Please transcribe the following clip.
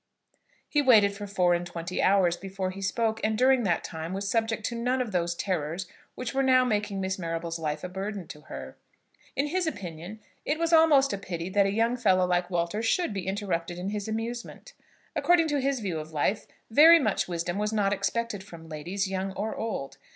He waited for four and twenty hours before he spoke, and during that time was subject to none of those terrors which were now making Miss Marrable's life a burden to her. In his opinion it was almost a pity that a young fellow like Walter should be interrupted in his amusement. According to his view of life, very much wisdom was not expected from ladies, young or old.